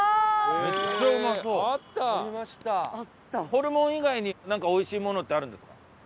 ホルモン以外になんかおいしいものってあるんですか？